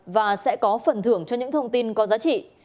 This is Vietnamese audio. và sẽ có phần thưởng cho những thông tin có giá trị